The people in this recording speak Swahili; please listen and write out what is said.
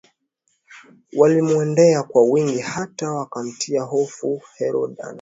walimuendea kwa wingi hata wakamtia hofu Herode Antipa